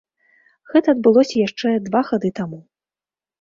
Гэта адбылося яшчэ два гады таму.